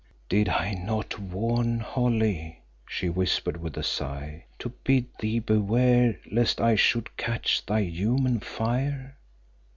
"Did I not warn Holly," she whispered with a sigh, "to bid thee beware lest I should catch thy human fire?